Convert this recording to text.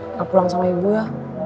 nggak pulang sama ibu ya